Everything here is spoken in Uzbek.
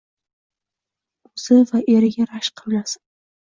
O‘zi va eriga rashk qilmasin.